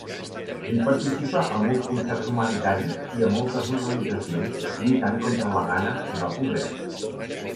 Ell participa a molts concerts humanitaris i a moltes organitzacions lluitant contra la gana i la pobresa.